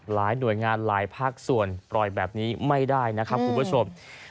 หน่วยงานหลายภาคส่วนปล่อยแบบนี้ไม่ได้นะครับคุณผู้ชม